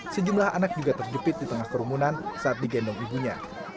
sejumlah anak juga terjepit di tengah kerumunan saat digendong ibunya